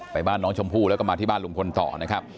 บ้านน้องชมพู่แล้วก็มาที่บ้านลุงพลต่อนะครับ